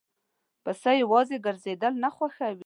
پسه یواځی ګرځېدل نه خوښوي.